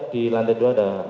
di lantai dua ada